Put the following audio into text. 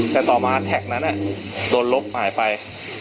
แต่ต่อมาแท็กนั้นโดนลบหายไป